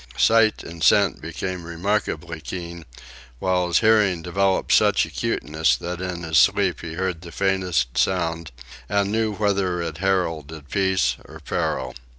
Sight and scent became remarkably keen, while his hearing developed such acuteness that in his sleep he heard the faintest sound and knew whether it heralded peace or peril.